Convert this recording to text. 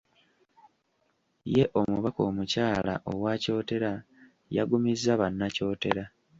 Ye omubaka omukyala owa Kyotera yagumizza Bannakyotera.